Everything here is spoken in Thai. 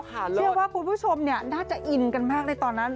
เชื่อว่าคุณผู้ชมน่าจะอินกันมากในตอนนั้น